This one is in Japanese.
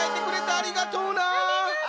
ありがとう。